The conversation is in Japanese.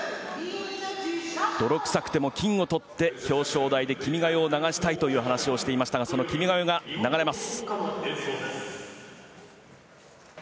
泥くさくても金をとって表彰台で「君が代」を流したいという話をしていましたがその「君が代」が流れます。